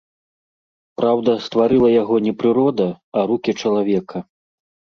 Праўда, стварыла яго не прырода, а рукі чалавека.